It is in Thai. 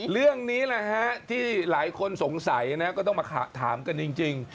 เรื่องนี้แหละฮะที่หลายคนสงสัยนะก็ต้องมาถามกันจริง